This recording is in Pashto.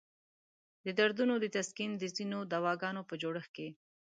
د دردونو د تسکین د ځینو دواګانو په جوړښت کې.